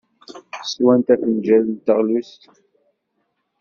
Swant afenjal n teɣlust.